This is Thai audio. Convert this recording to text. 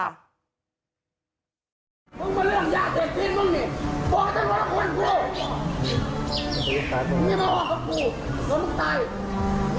ไปไหนไปเลย